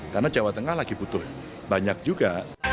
karena jawa tengah lagi butuh banyak juga